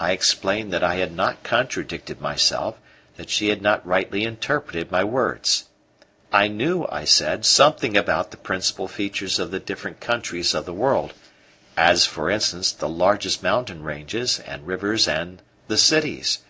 I explained that I had not contradicted myself, that she had not rightly interpreted my words. I knew, I said, something about the principal features of the different countries of the world, as, for instance, the largest mountain ranges, and rivers, and the cities.